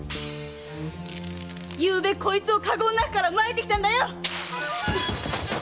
昨夜こいつを駕籠の中から撒いてきたんだよっ！